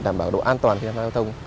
đảm bảo độ an toàn khi tham gia giao thông